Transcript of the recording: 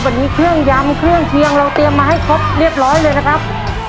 วันนี้เครื่องยำเครื่องเคียงเราเตรียมมาให้ครบเรียบร้อยเลยนะครับ